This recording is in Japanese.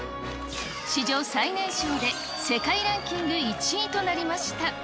史上最年少で世界ランキング１位となりました。